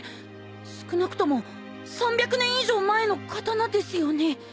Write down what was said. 少なくとも３００年以上前の刀ですよね。